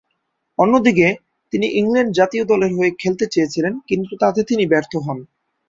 অন্যদিকে, তিনি ইংল্যান্ড জাতীয় দলের হয়ে খেলতে চেয়েছিলেন, কিন্তু তাতে তিনি ব্যর্থ হন।